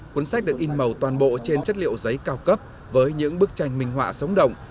cuốn sách được in màu toàn bộ trên chất liệu giấy cao cấp với những bức tranh minh họa sống động